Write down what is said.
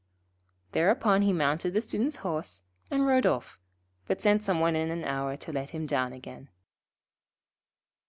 Thereupon he mounted the Student's horse, and rode off, but sent some one in an hour to let him down again.